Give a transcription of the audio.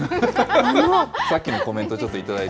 さっきのコメント、ちょっと頂いて。